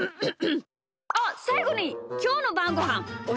あっさいごにきょうのばんごはんおしえてください！